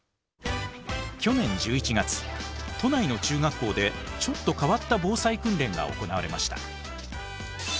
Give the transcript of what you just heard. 去年１１月都内の中学校でちょっと変わった防災訓練が行われました。